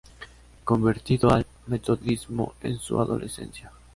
Convertido al metodismo en su adolescencia.